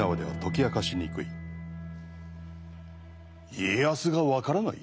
家康が分からない？